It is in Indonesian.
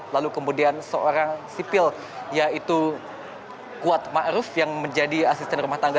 lalu kemudian seorang sipil yaitu kuat ma'ruf yang menjadi asisten rumah tangga